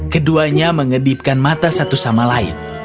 keduanya mengedipkan mata satu sama lain